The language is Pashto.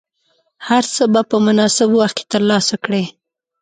هر څه به په مناسب وخت کې ترلاسه کړې.